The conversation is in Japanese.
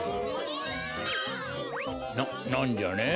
ななんじゃね？